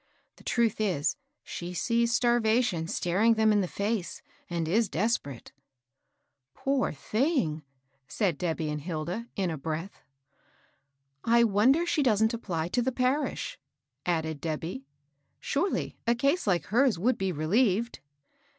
The truth is, she sees starvation staring them in the face and is desperate." " Poor thing I " said Debby and Hilda, in a breath. " I wonder she doesn't apply to the parish,'* 202 MABEL K08B. added Debby. ^^ Surely a case like hers would be relieved